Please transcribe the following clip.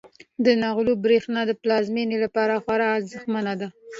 د نغلو برښنا د پلازمینې لپاره خورا ارزښتمنه ده.